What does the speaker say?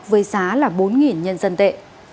với giá là bốn nhân dân tệ